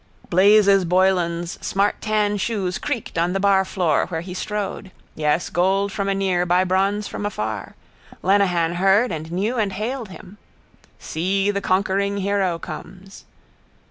Blazes Boylan's smart tan shoes creaked on the barfloor where he strode. Yes, gold from anear by bronze from afar. Lenehan heard and knew and hailed him: —See the conquering hero comes.